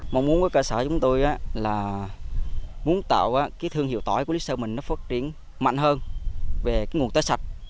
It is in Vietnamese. một môn của cơ sở chúng tôi là muốn tạo thương hiệu tỏi của lý sơn mình phát triển mạnh hơn về nguồn tối sạch